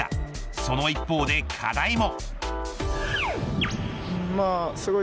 その一方で、課題も。